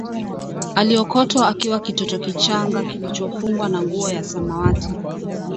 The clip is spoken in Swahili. aliokotwa akiwa kitoto kichanga kilichofungwa na nguo ya samawati